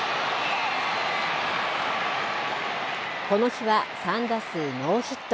この日は３打数、ノーヒット。